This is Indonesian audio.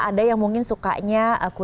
ada yang mungkin sukanya